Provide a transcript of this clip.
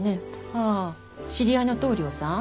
ああ知り合いの棟梁さん。